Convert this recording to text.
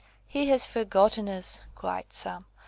"He has forgotten us," cried some.